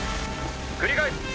繰り返す。